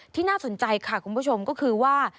น่าสนใจค่ะคุณผู้ชมก็คือว่า